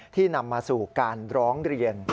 นำมาสู่การร้องเรียน